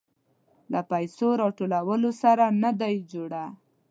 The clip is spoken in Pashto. له پيسو ټولولو سره يې نه ده جوړه.